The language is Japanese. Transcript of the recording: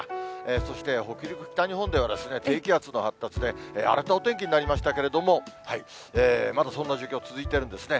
そして北陸、北日本では、低気圧の発達で、荒れたお天気になりましたけれども、まだそんな状況が続いてるんですね。